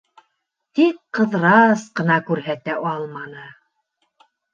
Тик Ҡыҙырас ҡына күрһәтә алманы.